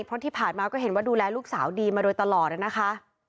เพราะที่ผ่านมาก็เห็นว่าดูแลลูกสาวดีมาโดยตลอดนะคะ